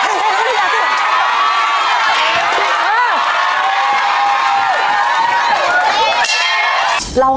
ครอบครับ